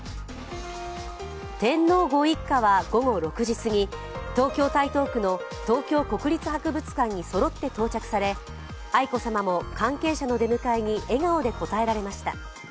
天皇ご一家は午後６時すぎ、東京・台東区の東京国立博物館にそろって到着され愛子さまも関係者の出迎えに笑顔で応えられました。